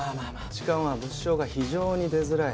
痴漢は物証が非常に出づらい。